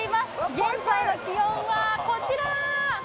現在の気温はこちら。